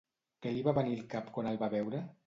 Què li va venir al cap quan el va veure?